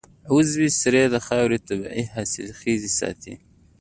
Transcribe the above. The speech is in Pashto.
عضوي سرې د خاورې طبعي حاصلخېزي ساتي.